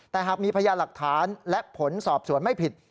แต่หากมีพยานหลักฐานและผลสอบสวนไม่ผิด